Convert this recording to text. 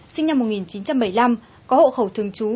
sinh năm một nghìn chín trăm bảy mươi năm có hộ khẩu thường trú